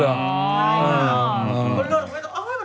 เป็นหมอของผู้หญิงค่ะ